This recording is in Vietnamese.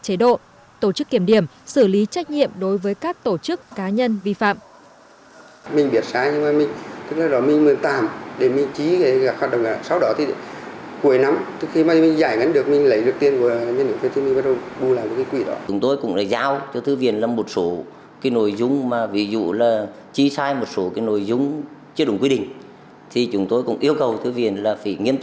thế độ tổ chức kiểm điểm xử lý trách nhiệm đối với các tổ chức cá nhân vi phạm